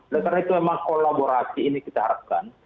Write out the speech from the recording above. oleh karena itu memang kolaborasi ini kita harapkan